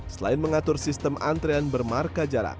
selain mengatur sistem antrean bermarka jarak